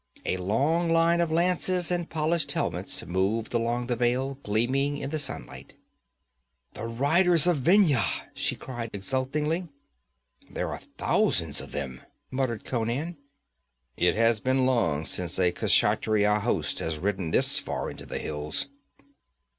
A long line of lances and polished helmets moved along the vale, gleaming in the sunlight. 'The riders of Vendhya!' she cried exultingly. 'There are thousands of them!' muttered Conan. 'It has been long since a Kshatriya host has ridden this far into the hills.'